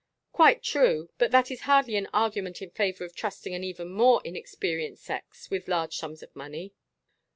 "Quite true. But that is hardly an argument in favor of trusting an even more inexperienced sex with large sums of money."